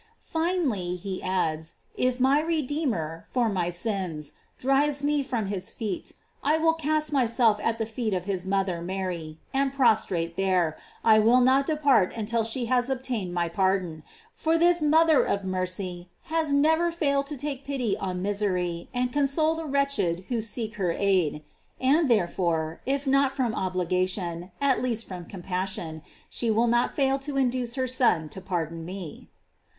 * Finally, he adds, if my Redeemer, for my sins, drives me from his feet, I will cast myself at the feet of his mother Mary, and, prostrate there, I will not depart until she has obtained my pardon; for this mother of mercy has never failed to take pity on misery and console the wretched who seek her aid ; and therefore, if not from obliga tion, at least from compassion, she will not fail to induce her Son to pardon me.